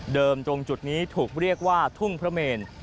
ตรงจุดนี้ถูกเรียกว่าทุ่งพระเมน